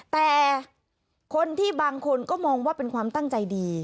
แต่คนที่บางคนก็มองว่าเป็นความตั้งใจดี